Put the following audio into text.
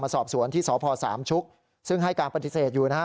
สอบสวนที่สพสามชุกซึ่งให้การปฏิเสธอยู่นะฮะ